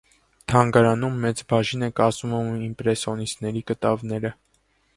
Թանգարանում մեծ բաժին է կազմում իմպրեսոնիստների կտավները։